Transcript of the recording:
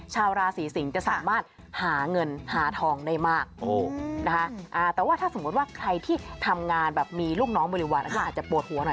ชาวราศีสิงศ์จะสามารถหาเงินหาทองได้มากแต่ว่าถ้าสมมุติว่าใครที่ทำงานแบบมีลูกน้องบริวารอาจจะปวดหัวหน่อย